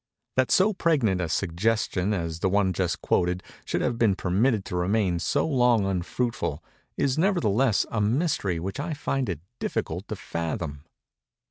That so pregnant a suggestion as the one just quoted should have been permitted to remain so long unfruitful, is, nevertheless, a mystery which I find it difficult to fathom.